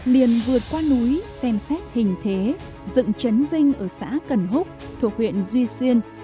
liền vượt qua núi xem xét hình thế dựng chấn dinh ở xã cần húc thuộc huyện duy xuyên